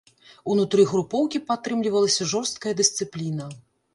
Унутры групоўкі падтрымлівалася жорсткая дысцыпліна.